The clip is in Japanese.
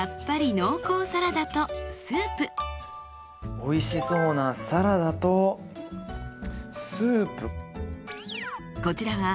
おいしそうなサラダとスープ。